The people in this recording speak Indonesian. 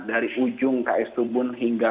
dari ujung ks tubun hingga